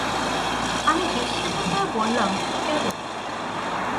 আমি বিস্মিত হয়ে বললাম, কেন?